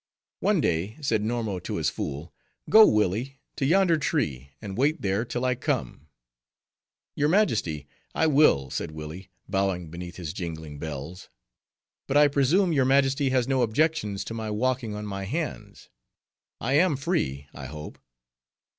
One day, said Normo to his fool,—'Go, Willi, to yonder tree, and wait there till I come,' 'Your Majesty, I will,' said Willi, bowing beneath his jingling bells; 'but I presume your Majesty has no objections to my walking on my hands:—I am free, I hope.